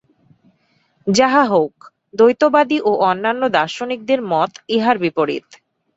যাহা হউক, দ্বৈতবাদী ও অন্যান্য দার্শনিকদের মত ইহার বিপরীত।